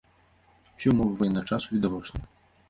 Усе ўмовы ваеннага часу відавочныя.